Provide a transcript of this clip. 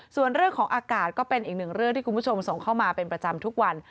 ส่วนเรื่องของอากาศก็เป็นอีกหนึ่งเรื่องที่คุณผู้ชมส่งเข้ามาเป็นประจำทุกวัน